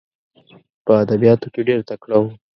په ادبیاتو کې ډېر تکړه وو.